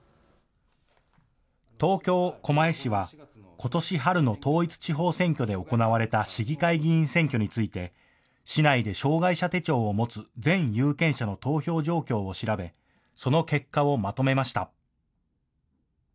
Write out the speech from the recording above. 東京狛江市はことし春の統一地方選挙で行われた市議会議員選挙について市内で障害者手帳を持つ全有権者の投票状況を調べその結果をまとめました。